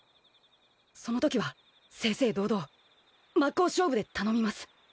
そのときは正々堂々真っ向勝負で頼みます。